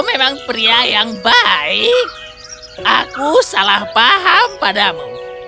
memang pria yang baik aku salah paham padamu